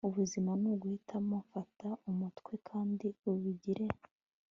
ubuzima nuguhitamo .. fata umutwe kandi ubigire